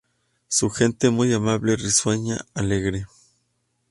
Su gente, muy amable, risueña, alegre.